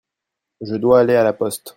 Je dois aller à la poste.